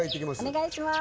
お願いします